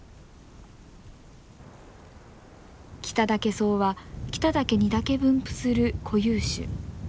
キタダケソウは北岳にだけ分布する固有種。